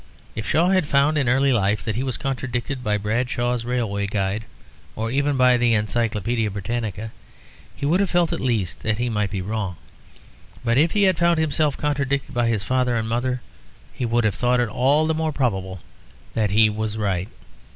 If Shaw had found in early life that he was contradicted by Bradshaw's Railway Guide or even by the Encyclopædia Britannica, he would have felt at least that he might be wrong. But if he had found himself contradicted by his father and mother, he would have thought it all the more probable that he was right.